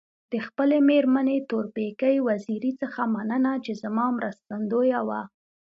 د خپلي مېرمني تورپیکۍ وزيري څخه مننه چي زما مرستندويه وه.